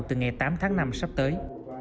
từ ngày tám tháng năm sắp tới